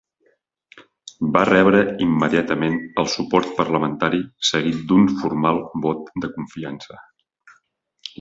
Va rebre immediatament el suport parlamentari seguit d'un formal vot de confiança.